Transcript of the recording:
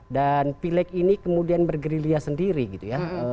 dan pileg ini kemudian bergerilia sendiri gitu ya